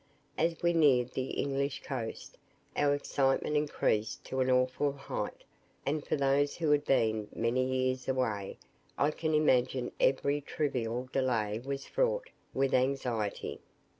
As we neared the English coast, our excitement increased to an awful height; and for those who had been many years away, I can imagine every trivial delay was fraught with anxiety.